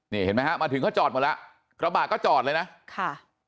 นี่เห็นไหมฮะมาถึงเขาจอดหมดแล้วกระบะก็จอดเลยนะค่ะ